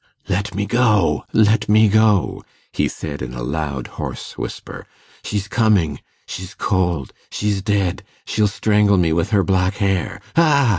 'Let me go, let me go,' he said in a loud, hoarse whisper; 'she's coming ... she's cold ... she's dead ... she'll strangle me with her black hair. Ah!